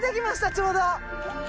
ちょうど。